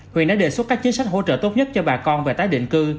huyện đã đề xuất các chính sách hỗ trợ tốt nhất cho bà con về tái định cư